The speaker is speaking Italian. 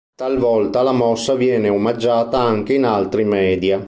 Talvolta la mossa viene omaggiata anche in altri media.